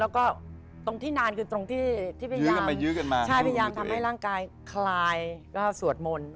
แล้วก็ตรงที่นานคือตรงที่ที่ยื้อกันไปยื้อกันมาใช่พยายามทำให้ร่างกายคลายก็สวดมนต์